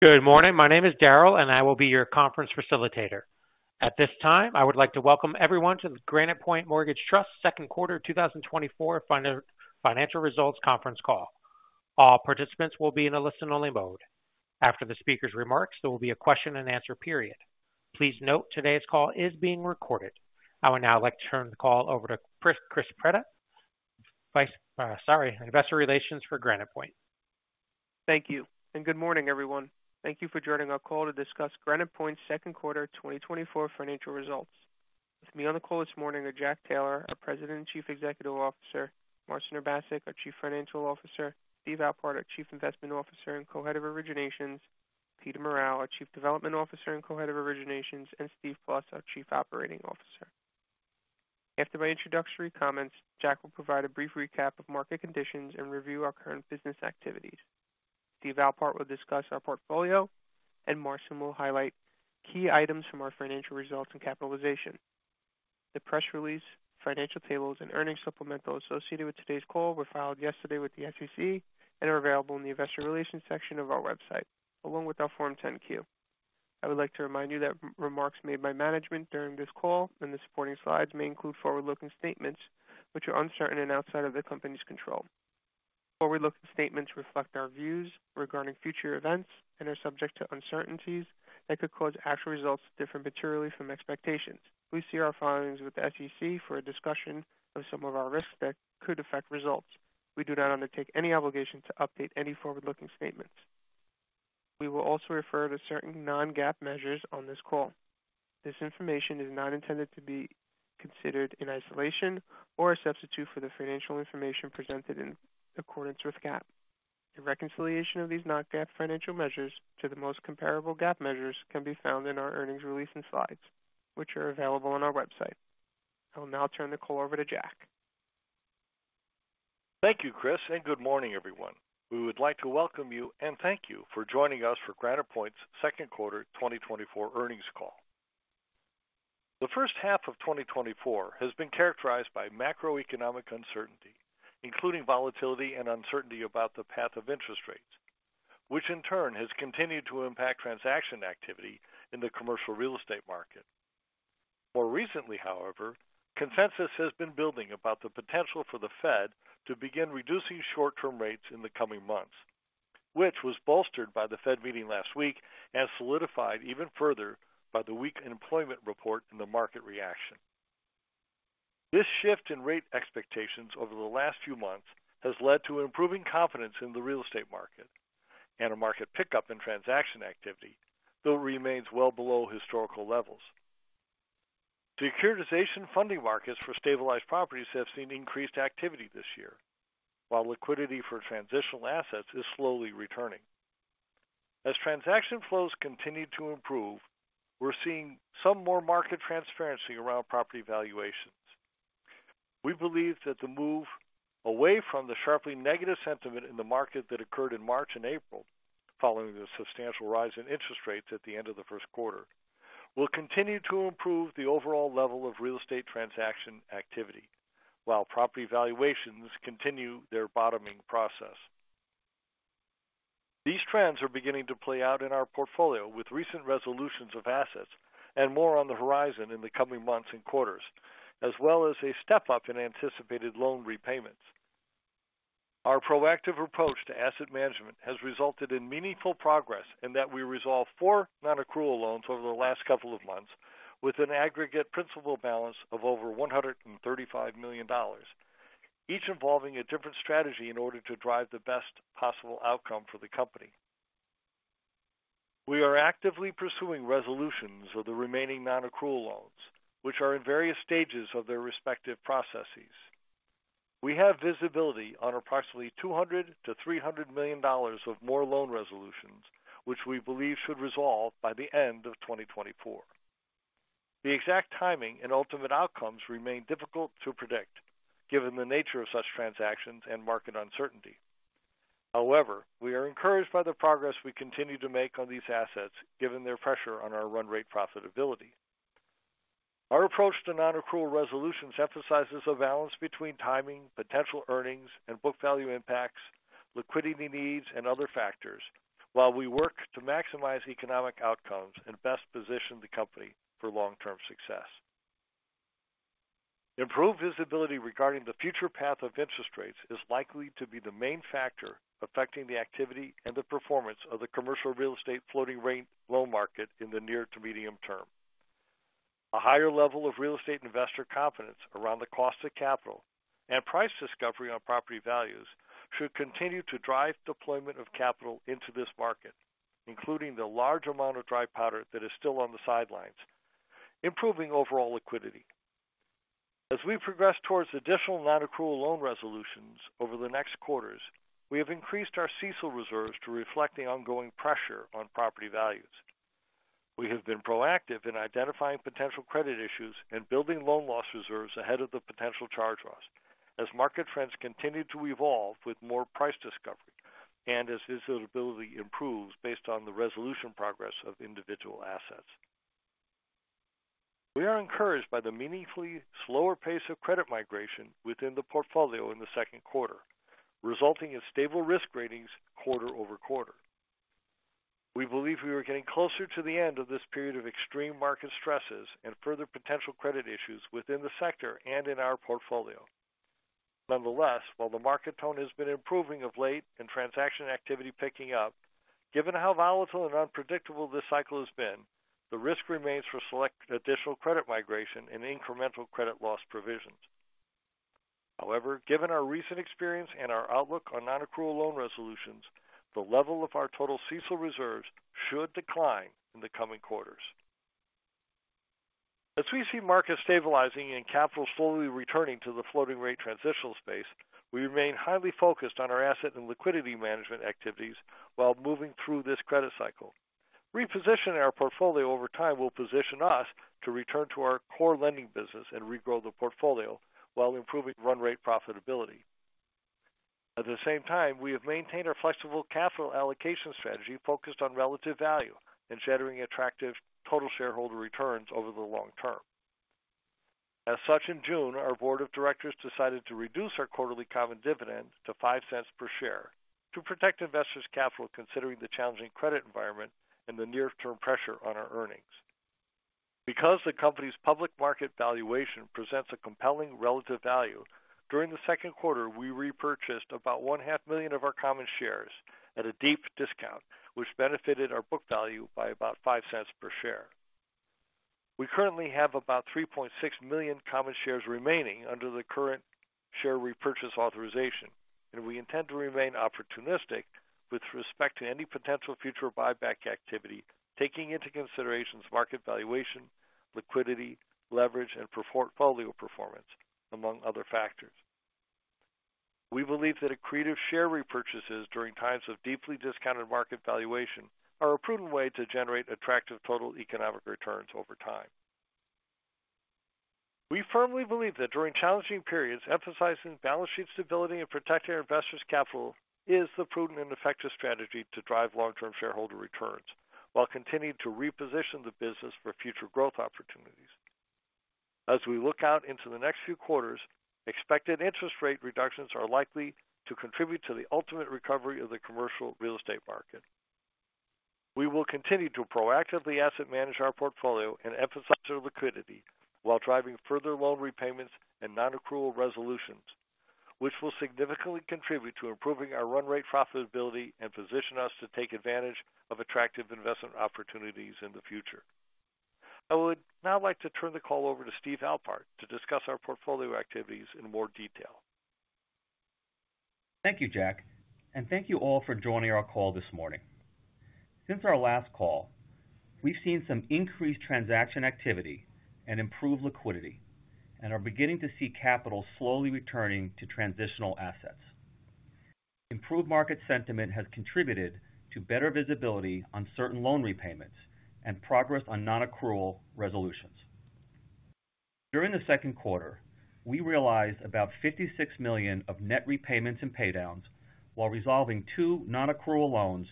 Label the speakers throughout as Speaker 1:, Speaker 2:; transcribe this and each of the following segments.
Speaker 1: Good morning. My name is Daryl, and I will be your conference facilitator. At this time, I would like to welcome everyone to the Granite Point Mortgage Trust second quarter 2024 financial results conference call. All participants will be in a listen-only mode. After the speaker's remarks, there will be a question-and-answer period. Please note today's call is being recorded. I would now like to turn the call over to Chris Petta, Investor Relations for Granite Point.
Speaker 2: Thank you, and good morning, everyone. Thank you for joining our call to discuss Granite Point's second quarter 2024 financial results. With me on the call this morning are Jack Taylor, our President and Chief Executive Officer; Marcin Urbaszek, our Chief Financial Officer; Steve Alpart, our Chief Investment Officer and Co-Head of Originations; Peter Morral, our Chief Development Officer and Co-Head of Originations; and Steve Plust, our Chief Operating Officer. After my introductory comments, Jack will provide a brief recap of market conditions and review our current business activities. Steve Alpart will discuss our portfolio, and Marcin will highlight key items from our financial results and capitalization. The press release, financial tables, and earnings supplemental associated with today's call were filed yesterday with the SEC and are available in the Investor Relations section of our website, along with our Form 10-Q. I would like to remind you that remarks made by management during this call and the supporting slides may include forward-looking statements which are uncertain and outside of the company's control. Forward-looking statements reflect our views regarding future events and are subject to uncertainties that could cause actual results to differ materially from expectations. Please see our filings with the SEC for a discussion of some of our risks that could affect results. We do not undertake any obligation to update any forward-looking statements. We will also refer to certain non-GAAP measures on this call. This information is not intended to be considered in isolation or a substitute for the financial information presented in accordance with GAAP. The reconciliation of these non-GAAP financial measures to the most comparable GAAP measures can be found in our earnings release and slides, which are available on our website. I will now turn the call over to Jack.
Speaker 3: Thank you, Chris, and good morning, everyone. We would like to welcome you and thank you for joining us for Granite Point's second quarter 2024 earnings call. The first half of 2024 has been characterized by macroeconomic uncertainty, including volatility and uncertainty about the path of interest rates, which in turn has continued to impact transaction activity in the commercial real estate market. More recently, however, consensus has been building about the potential for the Fed to begin reducing short-term rates in the coming months, which was bolstered by the Fed meeting last week and solidified even further by the weak employment report and the market reaction. This shift in rate expectations over the last few months has led to improving confidence in the real estate market and a market pickup in transaction activity, though it remains well below historical levels. Securitization funding markets for stabilized properties have seen increased activity this year, while liquidity for transitional assets is slowly returning. As transaction flows continue to improve, we're seeing some more market transparency around property valuations. We believe that the move away from the sharply negative sentiment in the market that occurred in March and April, following the substantial rise in interest rates at the end of the first quarter, will continue to improve the overall level of real estate transaction activity, while property valuations continue their bottoming process. These trends are beginning to play out in our portfolio, with recent resolutions of assets and more on the horizon in the coming months and quarters, as well as a step-up in anticipated loan repayments. Our proactive approach to asset management has resulted in meaningful progress in that we resolved 4 nonaccrual loans over the last couple of months with an aggregate principal balance of over $135 million, each involving a different strategy in order to drive the best possible outcome for the company. We are actively pursuing resolutions of the remaining nonaccrual loans, which are in various stages of their respective processes. We have visibility on approximately $200 million-$300 million of more loan resolutions, which we believe should resolve by the end of 2024. The exact timing and ultimate outcomes remain difficult to predict, given the nature of such transactions and market uncertainty. However, we are encouraged by the progress we continue to make on these assets, given their pressure on our run rate profitability. Our approach to nonaccrual resolutions emphasizes a balance between timing, potential earnings, and book value impacts, liquidity needs, and other factors, while we work to maximize economic outcomes and best position the company for long-term success. Improved visibility regarding the future path of interest rates is likely to be the main factor affecting the activity and the performance of the commercial real estate floating rate loan market in the near to medium term. A higher level of real estate investor confidence around the cost of capital and price discovery on property values should continue to drive deployment of capital into this market, including the large amount of dry powder that is still on the sidelines, improving overall liquidity. As we progress towards additional nonaccrual loan resolutions over the next quarters, we have increased our CECL reserves to reflect the ongoing pressure on property values. We have been proactive in identifying potential credit issues and building loan loss reserves ahead of the potential charge loss as market trends continue to evolve with more price discovery and as visibility improves based on the resolution progress of individual assets. We are encouraged by the meaningfully slower pace of credit migration within the portfolio in the second quarter, resulting in stable risk ratings quarter-over-quarter. We believe we are getting closer to the end of this period of extreme market stresses and further potential credit issues within the sector and in our portfolio. Nonetheless, while the market tone has been improving of late and transaction activity picking up, given how volatile and unpredictable this cycle has been, the risk remains for select additional credit migration and incremental credit loss provisions. However, given our recent experience and our outlook on nonaccrual loan resolutions, the level of our total CECL reserves should decline in the coming quarters. As we see markets stabilizing and capital slowly returning to the floating rate transitional space, we remain highly focused on our asset and liquidity management activities while moving through this credit cycle. Repositioning our portfolio over time will position us to return to our core lending business and regrow the portfolio while improving run rate profitability. At the same time, we have maintained our flexible capital allocation strategy focused on relative value and generating attractive total shareholder returns over the long term. As such, in June, our board of directors decided to reduce our quarterly common dividend to $0.05 per share to protect investors' capital, considering the challenging credit environment and the near-term pressure on our earnings. Because the company's public market valuation presents a compelling relative value, during the second quarter, we repurchased about 500,000 of our common shares at a deep discount, which benefited our book value by about $0.05 per share. We currently have about 3.6 million common shares remaining under the current share repurchase authorization, and we intend to remain opportunistic with respect to any potential future buyback activity, taking into considerations market valuation, liquidity, leverage, and portfolio performance, among other factors. We believe that accretive share repurchases during times of deeply discounted market valuation are a prudent way to generate attractive total economic returns over time. We firmly believe that during challenging periods, emphasizing balance sheet stability and protecting our investors' capital is the prudent and effective strategy to drive long-term shareholder returns, while continuing to reposition the business for future growth opportunities. As we look out into the next few quarters, expected interest rate reductions are likely to contribute to the ultimate recovery of the commercial real estate market. We will continue to proactively asset manage our portfolio and emphasize our liquidity while driving further loan repayments and nonaccrual resolutions, which will significantly contribute to improving our run rate profitability and position us to take advantage of attractive investment opportunities in the future. I would now like to turn the call over to Stephen Alpart to discuss our portfolio activities in more detail.
Speaker 4: Thank you, Jack, and thank you all for joining our call this morning. Since our last call, we've seen some increased transaction activity and improved liquidity and are beginning to see capital slowly returning to transitional assets. Improved market sentiment has contributed to better visibility on certain loan repayments and progress on nonaccrual resolutions. During the second quarter, we realized about $56 million of net repayments and paydowns, while resolving two nonaccrual loans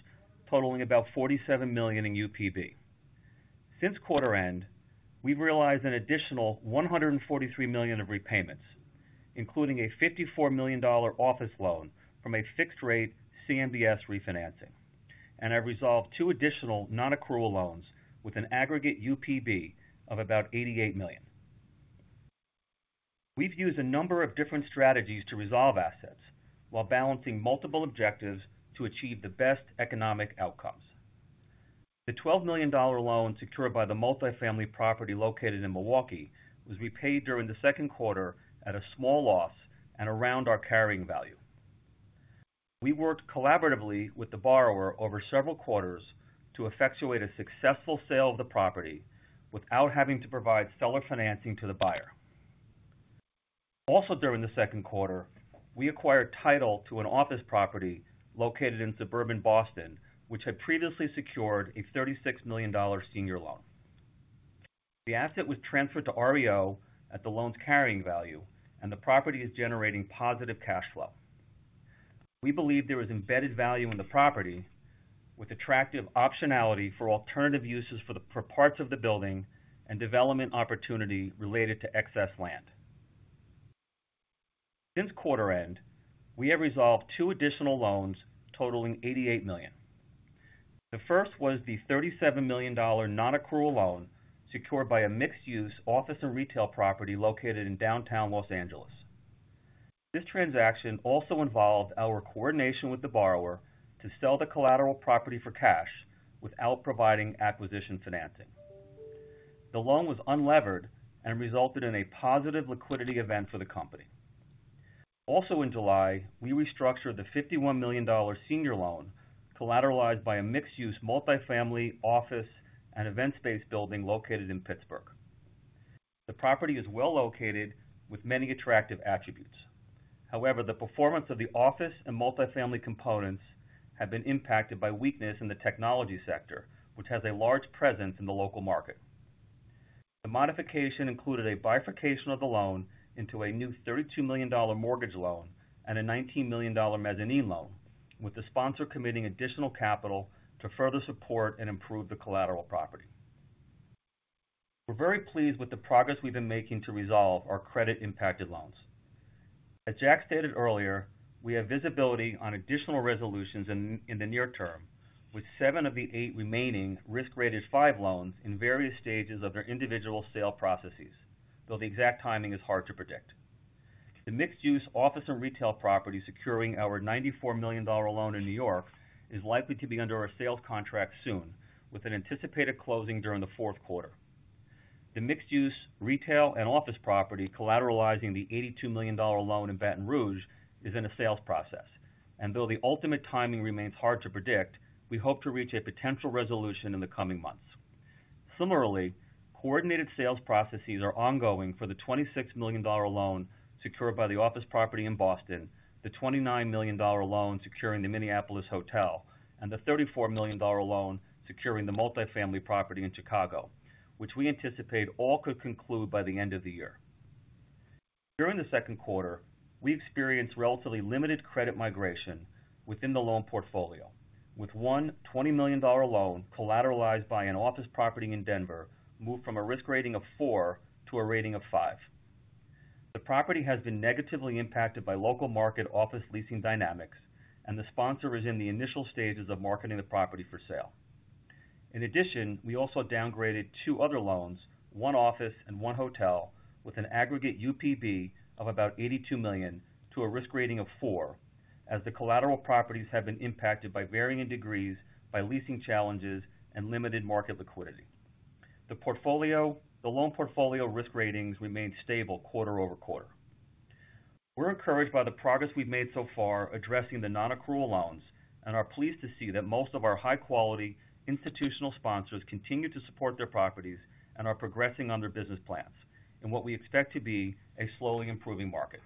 Speaker 4: totaling about $47 million in UPB. Since quarter end, we've realized an additional $143 million of repayments, including a $54 million dollar office loan from a fixed-rate CMBS refinancing, and have resolved two additional nonaccrual loans with an aggregate UPB of about $88 million. We've used a number of different strategies to resolve assets while balancing multiple objectives to achieve the best economic outcomes. The $12 million loan secured by the multifamily property located in Milwaukee was repaid during the second quarter at a small loss and around our carrying value. We worked collaboratively with the borrower over several quarters to effectuate a successful sale of the property without having to provide seller financing to the buyer. Also, during the second quarter, we acquired title to an office property located in suburban Boston, which had previously secured a $36 million senior loan. The asset was transferred to REO at the loan's carrying value, and the property is generating positive cash flow. We believe there is embedded value in the property with attractive optionality for alternative uses for parts of the building and development opportunity related to excess land. Since quarter end, we have resolved two additional loans totaling $88 million. The first was the $37 million nonaccrual loan secured by a mixed-use office and retail property located in downtown Los Angeles. This transaction also involved our coordination with the borrower to sell the collateral property for cash without providing acquisition financing. The loan was unlevered and resulted in a positive liquidity event for the company. Also in July, we restructured the $51 million senior loan, collateralized by a mixed-use, multifamily office and event space building located in Pittsburgh. The property is well located with many attractive attributes. However, the performance of the office and multifamily components have been impacted by weakness in the technology sector, which has a large presence in the local market. The modification included a bifurcation of the loan into a new $32 million mortgage loan and a $19 million mezzanine loan, with the sponsor committing additional capital to further support and improve the collateral property. We're very pleased with the progress we've been making to resolve our credit-impacted loans. As Jack stated earlier, we have visibility on additional resolutions in the near term, with 7 of the 8 remaining risk-rated 5 loans in various stages of their individual sale processes, though the exact timing is hard to predict. The mixed-use office and retail property securing our $94 million loan in New York is likely to be under a sales contract soon, with an anticipated closing during the fourth quarter. The mixed use, retail and office property, collateralizing the $82 million loan in Baton Rouge, is in a sales process, and though the ultimate timing remains hard to predict, we hope to reach a potential resolution in the coming months. Similarly, coordinated sales processes are ongoing for the $26 million loan secured by the office property in Boston, the $29 million loan securing the Minneapolis hotel, and the $34 million loan securing the multifamily property in Chicago, which we anticipate all could conclude by the end of the year. During the second quarter, we experienced relatively limited credit migration within the loan portfolio, with one $20 million loan collateralized by an office property in Denver, moved from a risk rating of 4 to a rating of 5. The property has been negatively impacted by local market office leasing dynamics, and the sponsor is in the initial stages of marketing the property for sale. In addition, we also downgraded 2 other loans, one office and one hotel, with an aggregate UPB of about $82 million to a risk rating of 4, as the collateral properties have been impacted by varying degrees by leasing challenges and limited market liquidity. The loan portfolio risk ratings remained stable quarter-over-quarter. We're encouraged by the progress we've made so far addressing the nonaccrual loans and are pleased to see that most of our high-quality institutional sponsors continue to support their properties and are progressing on their business plans in what we expect to be a slowly improving market.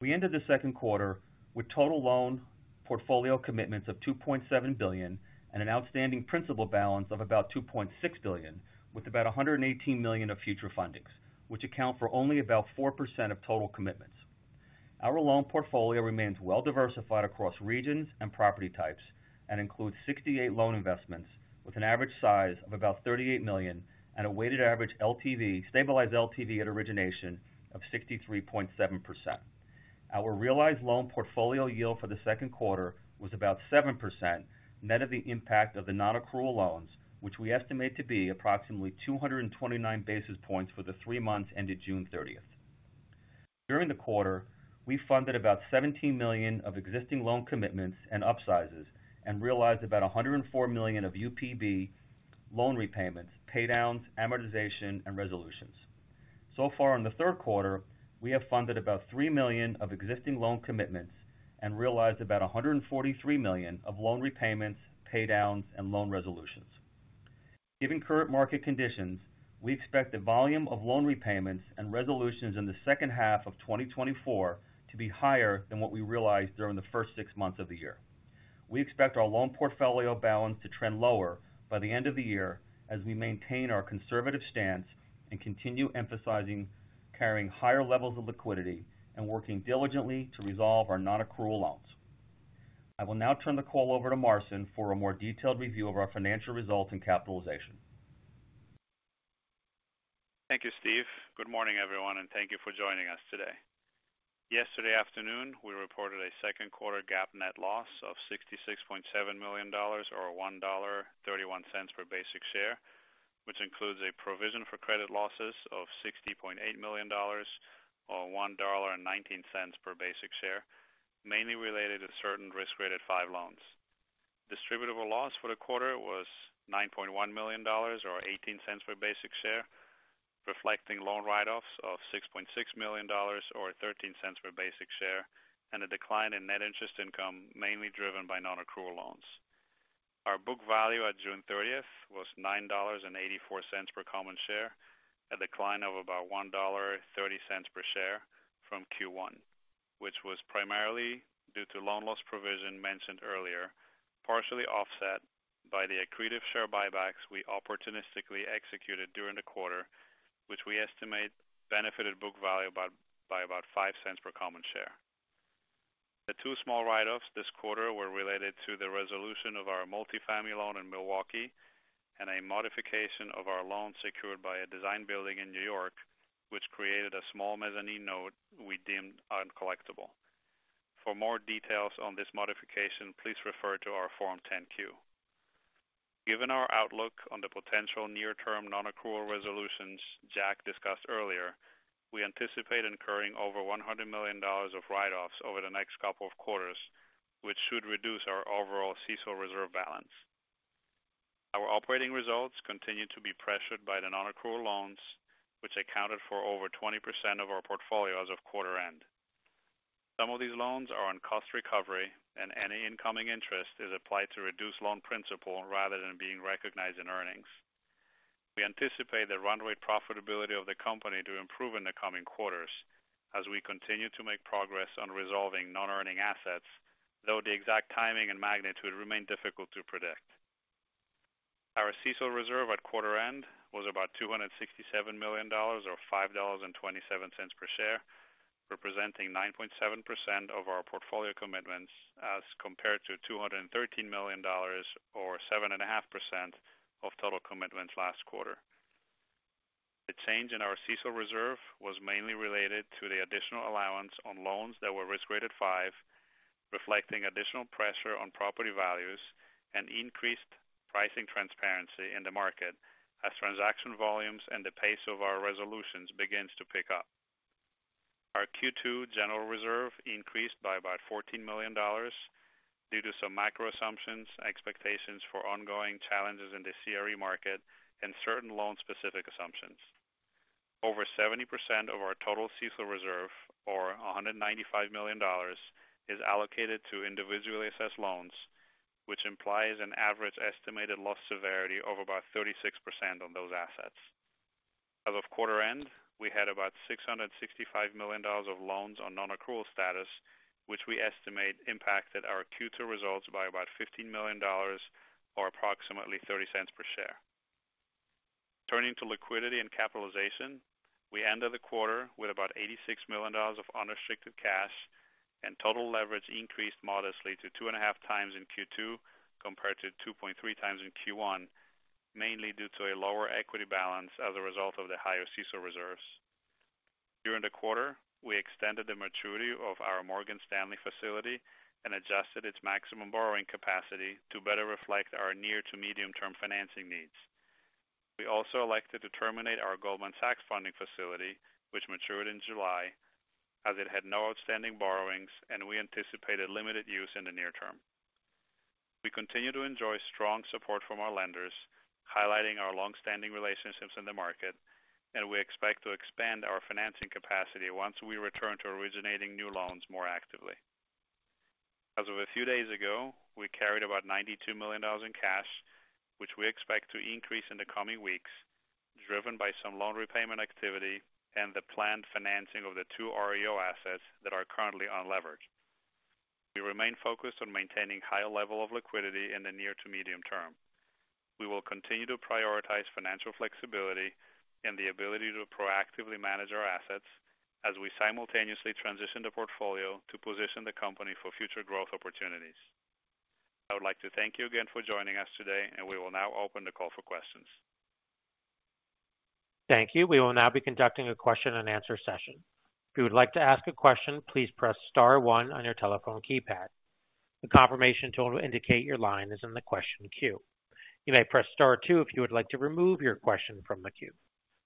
Speaker 4: We ended the second quarter with total loan portfolio commitments of $2.7 billion and an outstanding principal balance of about $2.6 billion, with about $118 million of future fundings, which account for only about 4% of total commitments. Our loan portfolio remains well diversified across regions and property types and includes 68 loan investments with an average size of about $38 million and a weighted average LTV, stabilized LTV at origination of 63.7%. Our realized loan portfolio yield for the second quarter was about 7%, net of the impact of the nonaccrual loans, which we estimate to be approximately 229 basis points for the three months ended June 30th. During the quarter, we funded about $17 million of existing loan commitments and upsizes and realized about $104 million of UPB loan repayments, paydowns, amortization, and resolutions. So far in the third quarter, we have funded about $3 million of existing loan commitments and realized about $143 million of loan repayments, paydowns, and loan resolutions. Given current market conditions, we expect the volume of loan repayments and resolutions in the second half of 2024 to be higher than what we realized during the first six months of the year. We expect our loan portfolio balance to trend lower by the end of the year as we maintain our conservative stance and continue emphasizing carrying higher levels of liquidity and working diligently to resolve our nonaccrual loans. I will now turn the call over to Marcin for a more detailed review of our financial results and capitalization.
Speaker 5: Thank you, Steve. Good morning, everyone, and thank you for joining us today. Yesterday afternoon, we reported a second quarter GAAP net loss of $66.7 million or $1.31 per basic share, which includes a provision for credit losses of $60.8 million or $1.19 per basic share, mainly related to certain risk rating 5 loans. Distributable loss for the quarter was $9.1 million or $0.18 per basic share, reflecting loan write-offs of $6.6 million or $0.13 per basic share, and a decline in net interest income, mainly driven by nonaccrual loans. Our book value at June 30 was $9.84 per common share, a decline of about $1.30 per share from Q1, which was primarily due to loan loss provision mentioned earlier, partially offset by the accretive share buybacks we opportunistically executed during the quarter, which we estimate benefited book value by about $0.05 per common share. The two small write-offs this quarter were related to the resolution of our multifamily loan in Milwaukee and a modification of our loan secured by a design building in New York, which created a small mezzanine note we deemed uncollectible. For more details on this modification, please refer to our Form 10-Q. Given our outlook on the potential near-term nonaccrual resolutions Jack discussed earlier, we anticipate incurring over $100 million of write-offs over the next couple of quarters, which should reduce our overall CECL reserve balance. Our operating results continue to be pressured by the nonaccrual loans, which accounted for over 20% of our portfolio as of quarter end. Some of these loans are on cost recovery, and any incoming interest is applied to reduce loan principal rather than being recognized in earnings. We anticipate the run rate profitability of the company to improve in the coming quarters as we continue to make progress on resolving non-earning assets, though the exact timing and magnitude remain difficult to predict. Our CECL reserve at quarter end was about $267 million or $5.27 per share. Representing 9.7% of our portfolio commitments as compared to $213 million or 7.5% of total commitments last quarter. The change in our CECL reserve was mainly related to the additional allowance on loans that were risk-graded 5, reflecting additional pressure on property values and increased pricing transparency in the market as transaction volumes and the pace of our resolutions begins to pick up. Our Q2 general reserve increased by about $14 million due to some macro assumptions, expectations for ongoing challenges in the CRE market, and certain loan-specific assumptions. Over 70% of our total CECL reserve, or $195 million, is allocated to individually assessed loans, which implies an average estimated loss severity of about 36% on those assets. As of quarter end, we had about $665 million of loans on non-accrual status, which we estimate impacted our Q2 results by about $15 million or approximately $0.30 per share. Turning to liquidity and capitalization, we ended the quarter with about $86 million of unrestricted cash, and total leverage increased modestly to 2.5x in Q2 compared to 2.3x in Q1, mainly due to a lower equity balance as a result of the higher CECL reserves. During the quarter, we extended the maturity of our Morgan Stanley facility and adjusted its maximum borrowing capacity to better reflect our near- to medium-term financing needs. We also elected to terminate our Goldman Sachs funding facility, which matured in July, as it had no outstanding borrowings, and we anticipated limited use in the near term. We continue to enjoy strong support from our lenders, highlighting our long-standing relationships in the market, and we expect to expand our financing capacity once we return to originating new loans more actively. As of a few days ago, we carried about $92 million in cash, which we expect to increase in the coming weeks, driven by some loan repayment activity and the planned financing of the two REO assets that are currently unleveraged. We remain focused on maintaining high level of liquidity in the near to medium term. We will continue to prioritize financial flexibility and the ability to proactively manage our assets as we simultaneously transition the portfolio to position the company for future growth opportunities. I would like to thank you again for joining us today, and we will now open the call for questions.
Speaker 1: Thank you. We will now be conducting a question-and-answer session. If you would like to ask a question, please press star one on your telephone keypad. The confirmation tone will indicate your line is in the question queue. You may press star two if you would like to remove your question from the queue.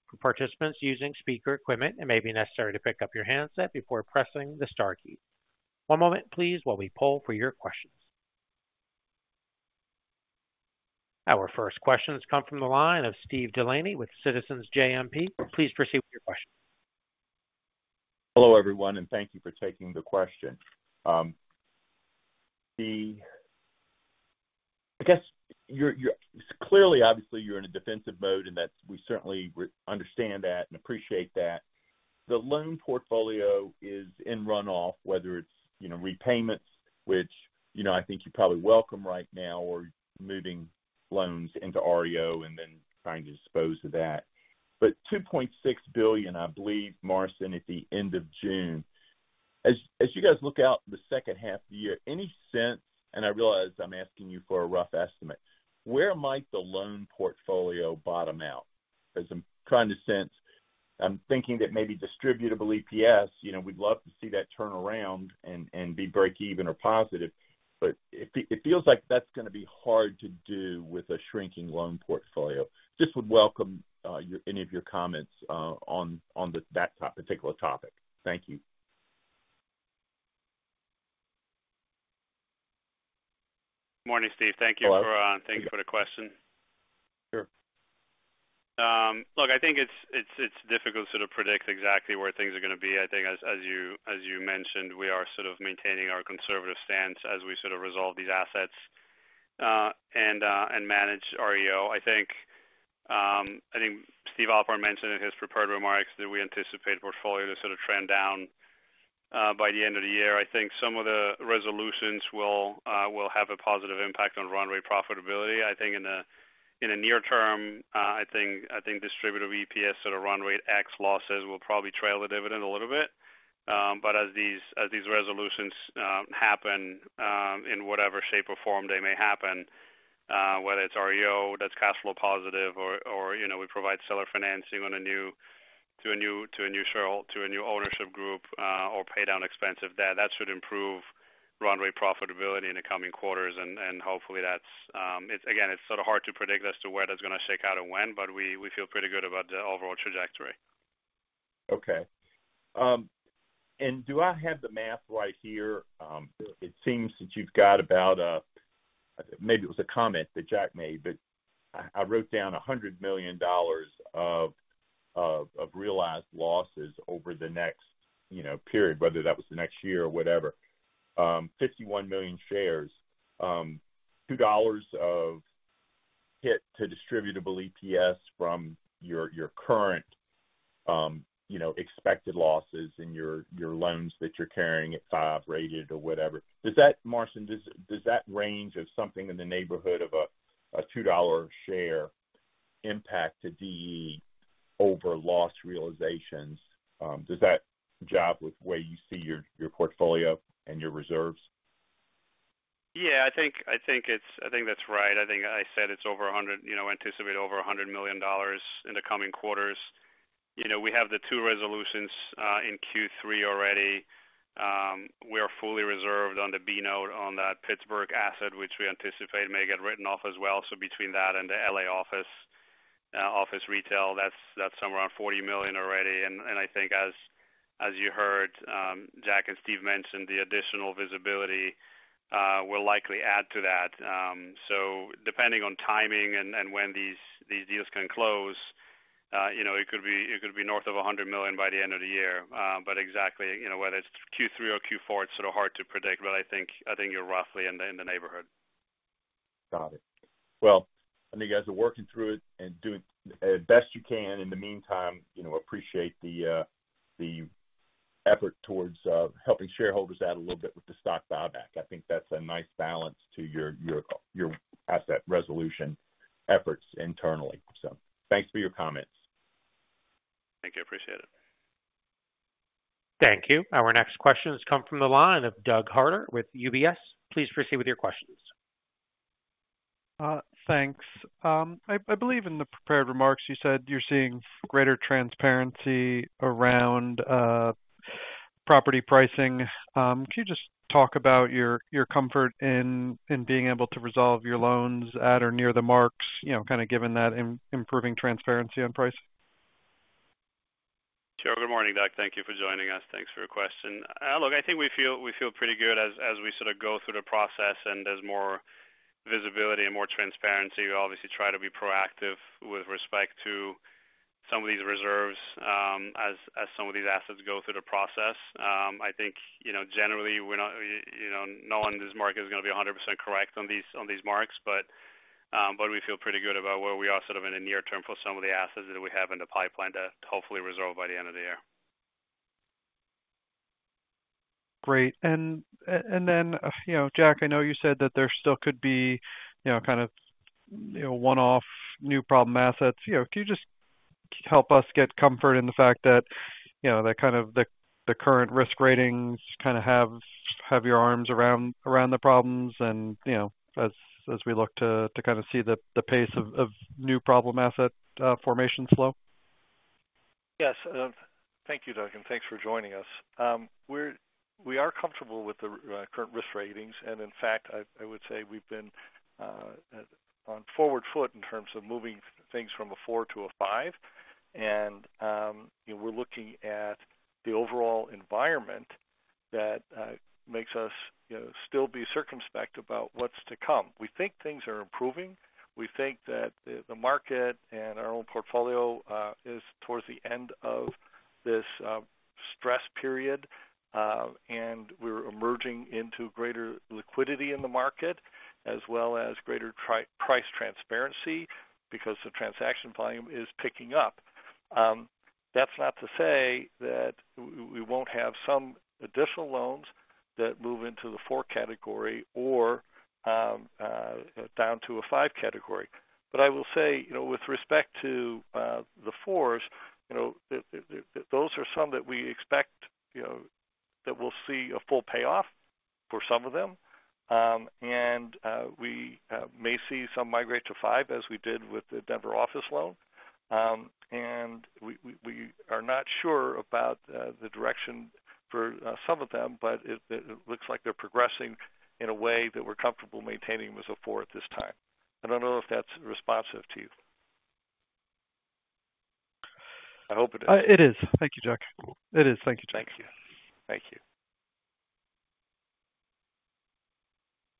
Speaker 1: For participants using speaker equipment, it may be necessary to pick up your handset before pressing the star key. One moment, please, while we poll for your questions. Our first question has come from the line of Steve DeLaney with Citizens JMP. Please proceed with your question.
Speaker 6: Hello, everyone, and thank you for taking the question. I guess you're, you're clearly, obviously, you're in a defensive mode, and that we certainly really understand that and appreciate that. The loan portfolio is in runoff, whether it's, you know, repayments, which, you know, I think you probably welcome right now, or moving loans into REO and then trying to dispose of that. But $2.6 billion, I believe, Marcin, at the end of June. As you guys look out the second half of the year, any sense, and I realize I'm asking you for a rough estimate, where might the loan portfolio bottom out? As I'm trying to assess, I'm thinking that maybe distributable EPS, you know, we'd love to see that turn around and be breakeven or positive, but it feels like that's going to be hard to do with a shrinking loan portfolio. Just would welcome any of your comments on that particular topic. Thank you.
Speaker 5: Morning, Steve.
Speaker 6: Hello.
Speaker 5: Thank you for, thank you for the question.
Speaker 6: Sure.
Speaker 5: Look, I think it's difficult to predict exactly where things are going to be. I think as you mentioned, we are sort of maintaining our conservative stance as we sort of resolve these assets and manage REO. I think Steve Alpart mentioned in his prepared remarks that we anticipate portfolio to sort of trend down by the end of the year. I think some of the resolutions will have a positive impact on run rate profitability. I think in the near term, I think distributable EPS sort of run rate X losses will probably trail the dividend a little bit. But as these resolutions happen in whatever shape or form they may happen, whether it's REO that's cash flow positive or, you know, we provide seller financing to a new ownership group, or pay down expensive debt, that should improve run rate profitability in the coming quarters. And hopefully that's, it's again, it's sort of hard to predict as to where that's going to shake out and when, but we feel pretty good about the overall trajectory.
Speaker 6: Okay. And do I have the math right here? It seems that you've got about a, maybe it was a comment that Jack made, but I wrote down $100 million of realized losses over the next, you know, period, whether that was the next year or whatever. 51 million shares, $2 of hit to distributable EPS from your, your current, you know, expected losses in your, your loans that you're carrying at 5 rated or whatever. Does that, Marcin, does that range of something in the neighborhood of a $2 share impact to DE over loss realizations? Does that jive with where you see your, your portfolio and your reserves?
Speaker 5: Yeah, I think that's right. I think I said it's over 100, you know, anticipate over $100 million in the coming quarters. You know, we have the two resolutions in Q3 already. We are fully reserved on the B note on that Pittsburgh asset, which we anticipate may get written off as well. So between that and the LA office retail, that's somewhere around $40 million already. And I think as you heard, Jack and Steve mention, the additional visibility will likely add to that. So depending on timing and when these deals can close, you know, it could be north of $100 million by the end of the year. But exactly, you know, whether it's Q3 or Q4, it's sort of hard to predict, but I think, I think you're roughly in the neighborhood.
Speaker 6: Got it. Well, I know you guys are working through it and doing the best you can. In the meantime, you know, appreciate the effort towards helping shareholders out a little bit with the stock buyback. I think that's a nice balance to your asset resolution efforts internally. So thanks for your comments.
Speaker 5: Thank you. Appreciate it.
Speaker 1: Thank you. Our next question has come from the line of Doug Harter with UBS. Please proceed with your questions.
Speaker 7: Thanks. I believe in the prepared remarks, you said you're seeing greater transparency around property pricing. Could you just talk about your comfort in being able to resolve your loans at or near the marks, you know, kind of given that improving transparency on price?
Speaker 5: Sure. Good morning, Doug. Thank you for joining us. Thanks for your question. Look, I think we feel, we feel pretty good as, as we sort of go through the process and there's more visibility and more transparency. We obviously try to be proactive with respect to some of these reserves, as, as some of these assets go through the process. I think, you know, generally, we're not, you know, no one in this market is going to be 100% correct on these, on these marks. But, but we feel pretty good about where we are sort of in the near term for some of the assets that we have in the pipeline to hopefully resolve by the end of the year.
Speaker 7: Great. And then, you know, Jack, I know you said that there still could be, you know, kind of, you know, one-off new problem assets. You know, can you just help us get comfort in the fact that, you know, the kind of the current risk ratings kind of have your arms around the problems and, you know, as we look to kind of see the pace of new problem asset formation slow?
Speaker 3: Yes. Thank you, Doug, and thanks for joining us. We're comfortable with the current risk ratings, and in fact, I would say we've been on forward foot in terms of moving things from a four to a five. And, you know, we're looking at the overall environment that makes us, you know, still be circumspect about what's to come. We think things are improving. We think that the market and our own portfolio is towards the end of this stress period, and we're emerging into greater liquidity in the market, as well as greater price transparency because the transaction volume is picking up. That's not to say that we won't have some additional loans that move into the four category or down to a five category. But I will say, you know, with respect to the fours, you know, those are some that we expect, you know, that we'll see a full payoff for some of them. And we may see some migrate to five, as we did with the Denver office loan. And we are not sure about the direction for some of them, but it looks like they're progressing in a way that we're comfortable maintaining as a four at this time. I don't know if that's responsive to you. I hope it is.
Speaker 7: It is. Thank you, Jack. It is. Thank you, Jack.
Speaker 3: Thank you.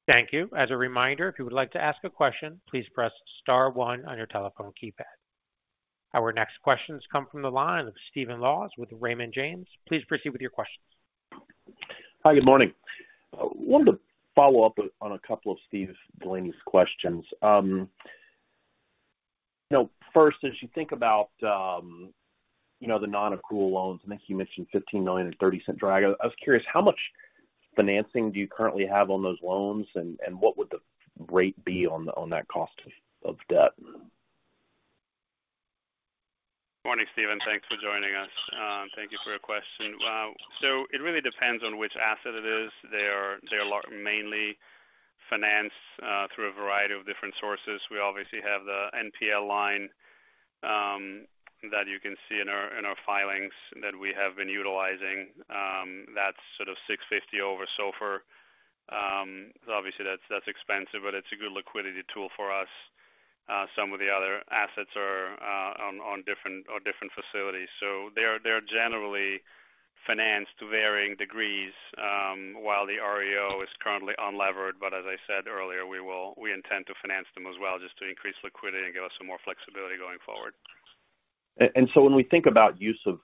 Speaker 3: Thank you.
Speaker 1: Thank you. As a reminder, if you would like to ask a question, please press star one on your telephone keypad. Our next question comes from the line of Stephen Laws with Raymond James. Please proceed with your questions.
Speaker 8: Hi, good morning. I wanted to follow up on a couple of Steve Delaney's questions. You know, first, as you think about, you know, the non-accrual loans, I think you mentioned $15 million and $0.30 drag. I was curious, how much financing do you currently have on those loans, and what would the rate be on that cost of debt?
Speaker 5: Morning, Steven. Thanks for joining us. Thank you for your question. So it really depends on which asset it is. They are, they are mainly financed through a variety of different sources. We obviously have the NPL line that you can see in our, in our filings that we have been utilizing. That's sort of 6.50% over SOFR. Obviously, that's, that's expensive, but it's a good liquidity tool for us. Some of the other assets are on, on different, on different facilities. So they are - they are generally financed to varying degrees while the REO is currently unlevered. But as I said earlier, we will - we intend to finance them as well, just to increase liquidity and give us some more flexibility going forward.
Speaker 8: So when we think about use of,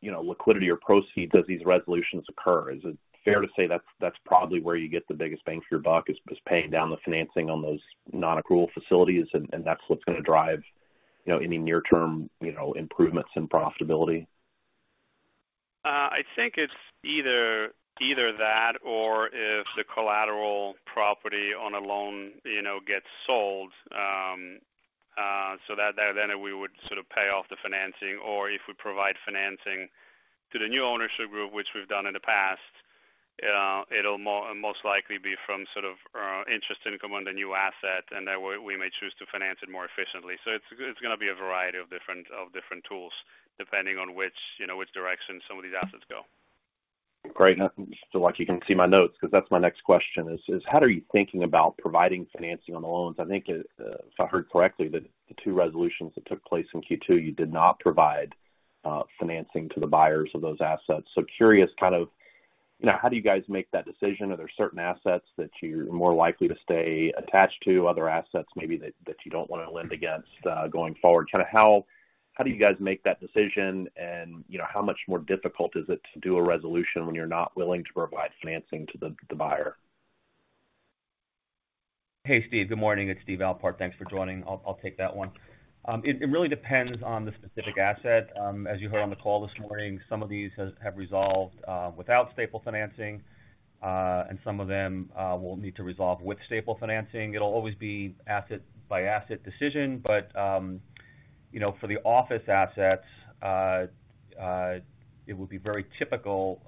Speaker 8: you know, liquidity or proceeds as these resolutions occur, is it fair to say that's probably where you get the biggest bang for your buck, is paying down the financing on those non-accrual facilities, and that's what's going to drive, you know, any near-term, you know, improvements in profitability?...
Speaker 5: I think it's either that or if the collateral property on a loan, you know, gets sold. So then we would sort of pay off the financing, or if we provide financing to the new ownership group, which we've done in the past, it'll most likely be from sort of interest income on the new asset, and then we may choose to finance it more efficiently. So it's gonna be a variety of different tools, depending on which, you know, which direction some of these assets go.
Speaker 8: Great. And just so lucky you can see my notes, because that's my next question, is how are you thinking about providing financing on the loans? I think, if I heard correctly, that the two resolutions that took place in Q2, you did not provide financing to the buyers of those assets. So curious, kind of, you know, how do you guys make that decision? Are there certain assets that you're more likely to stay attached to, other assets maybe that you don't want to lend against, going forward? Kinda how do you guys make that decision? And, you know, how much more difficult is it to do a resolution when you're not willing to provide financing to the buyer?
Speaker 4: Hey, Steve. Good morning. It's Steve Alpart. Thanks for joining. I'll take that one. It really depends on the specific asset. As you heard on the call this morning, some of these have resolved without staple financing, and some of them will need to resolve with staple financing. It'll always be asset by asset decision, but you know, for the office assets, it would be very typical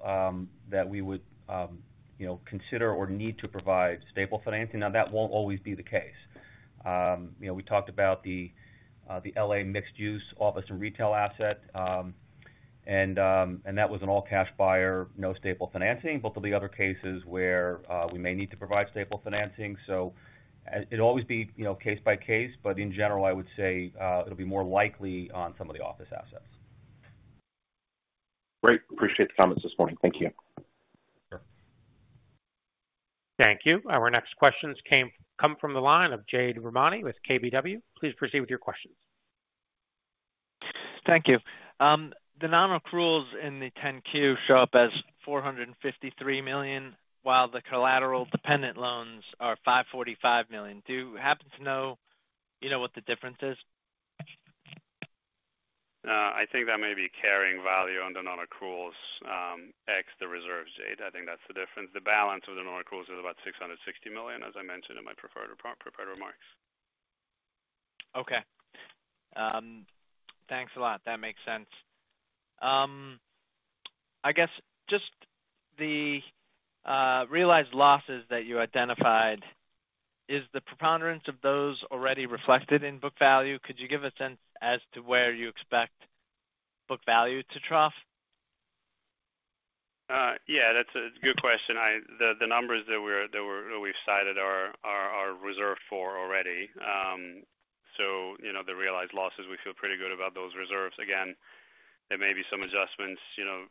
Speaker 4: that we would you know, consider or need to provide staple financing. Now, that won't always be the case. You know, we talked about the L.A. mixed use office and retail asset. And that was an all-cash buyer, no staple financing. But there'll be other cases where we may need to provide staple financing. It'll always be, you know, case by case, but in general, I would say, it'll be more likely on some of the office assets.
Speaker 8: Great. Appreciate the comments this morning. Thank you.
Speaker 4: Sure.
Speaker 1: Thank you. Our next questions come from the line of Jade Rahmani with KBW. Please proceed with your questions.
Speaker 9: Thank you. The nonaccruals in the 10-Q show up as $453 million, while the collateral-dependent loans are $545 million. Do you happen to know, you know, what the difference is?
Speaker 5: I think that may be carrying value on the nonaccruals, ex the reserves, Jade. I think that's the difference. The balance of the nonaccruals is about $660 million, as I mentioned in my prepared remarks.
Speaker 9: Okay. Thanks a lot. That makes sense. I guess just the realized losses that you identified, is the preponderance of those already reflected in book value? Could you give a sense as to where you expect book value to trough?
Speaker 5: Yeah, that's a good question. The numbers that we've cited are reserved for already. So you know, the realized losses, we feel pretty good about those reserves. Again, there may be some adjustments, you know,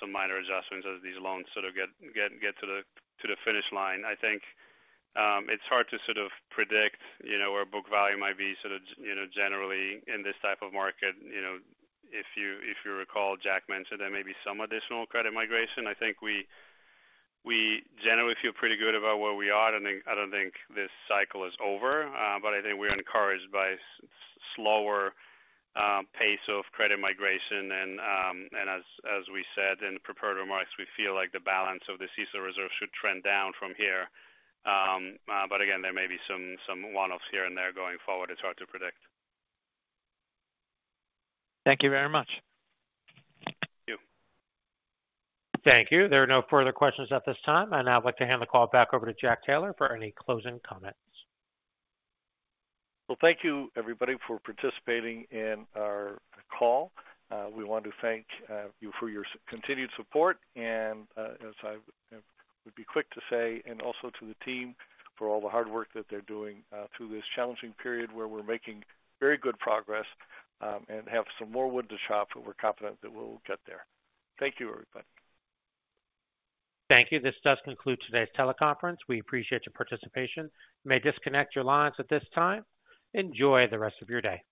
Speaker 5: some minor adjustments as these loans sort of get to the finish line. I think it's hard to sort of predict, you know, where book value might be, sort of, you know, generally in this type of market. You know, if you recall, Jack mentioned there may be some additional credit migration. I think we generally feel pretty good about where we are. I don't think this cycle is over, but I think we're encouraged by slower pace of credit migration. As we said in the prepared remarks, we feel like the balance of the CECL reserves should trend down from here. But again, there may be some one-offs here and there going forward. It's hard to predict.
Speaker 9: Thank you very much.
Speaker 5: Thank you.
Speaker 1: Thank you. There are no further questions at this time. I'd now like to hand the call back over to Jack Taylor for any closing comments.
Speaker 3: Well, thank you, everybody, for participating in our call. We want to thank you for your continued support, and as I would be quick to say, and also to the team for all the hard work that they're doing through this challenging period, where we're making very good progress, and have some more wood to chop, but we're confident that we'll get there. Thank you, everybody.
Speaker 1: Thank you. This does conclude today's teleconference. We appreciate your participation. You may disconnect your lines at this time. Enjoy the rest of your day.